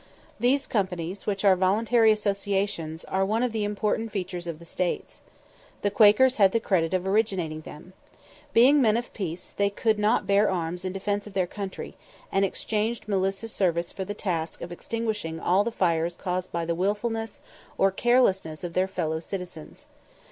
These companies, which are voluntary associations, are one of the important features of the States. The Quakers had the credit of originating them. Being men of peace, they could not bear arms in defence of their country, and exchanged militia service for the task of extinguishing all the fires caused by the wilfulness or carelessness of their fellow citizens.